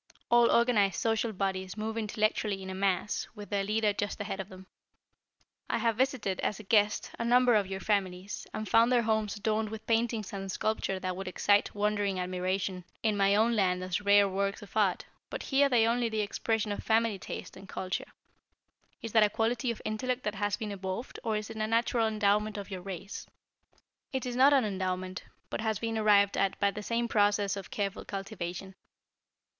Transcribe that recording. All organized social bodies move intellectually in a mass, with their leader just ahead of them." "I have visited, as a guest, a number of your families, and found their homes adorned with paintings and sculpture that would excite wondering admiration in my own land as rare works of art, but here they are only the expression of family taste and culture. Is that a quality of intellect that has been evolved, or is it a natural endowment of your race?" "It is not an endowment, but has been arrived at by the same process of careful cultivation.